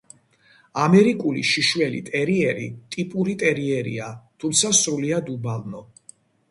ამერიკული შიშველი ტერიერი ტიპური ტერიერია, თუმცა სრულიად უბალნო.